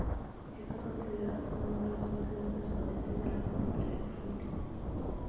Está considerado como uno de los máximos exponentes de la música electrónica.